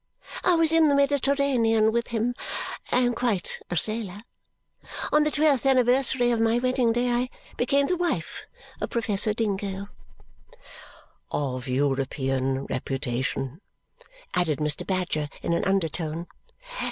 I was in the Mediterranean with him; I am quite a sailor. On the twelfth anniversary of my wedding day, I became the wife of Professor Dingo." "Of European reputation," added Mr. Badger in an undertone.